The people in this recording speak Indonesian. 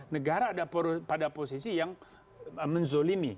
negara ada pada posisi yang menzolimi